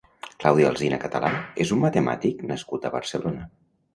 Claudi Alsina Català és un matemàtic nascut a Barcelona.